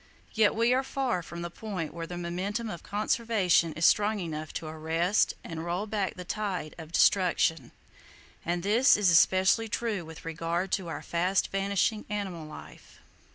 Yet we are far from the point where the momentum of conservation is strong enough to arrest and roll back the tide of destruction; and this is especially true with regard to our fast vanishing animal life.